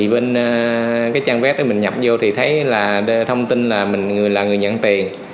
bên cái trang web mình nhập vô thì thấy là thông tin là mình là người nhận tiền